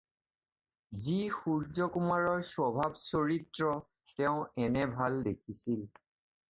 যি সূৰ্য্যকুমাৰৰ স্বভাৱ চৰিত্ৰ তেওঁ এনে ভাল দেখিছিল।